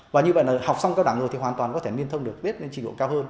và như vậy là học xong cao đẳng rồi thì hoàn toàn có thể liên thông được biết lên trình độ cao hơn